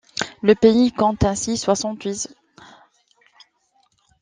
Le pays compte ainsi soixante-huit zones.